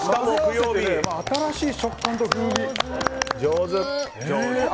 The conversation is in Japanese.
新しい食感と風味。